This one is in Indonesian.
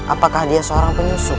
apakah dia seorang penyusup